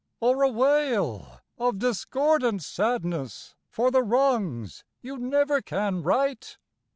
Or a wail of discordant sadness for the wrongs you never can right?